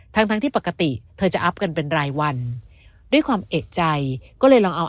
ทั้งทั้งที่ปกติเธอจะอัพกันเป็นรายวันด้วยความเอกใจก็เลยลองเอา